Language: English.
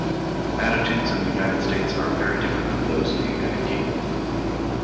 Attitudes in the United States are very different from those in the United Kingdom.